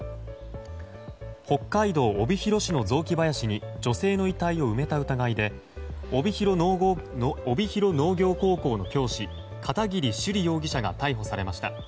北海道帯広市の雑木林に女性の遺体を埋めた疑いで帯広農業高校の教師片桐朱璃容疑者が逮捕されました。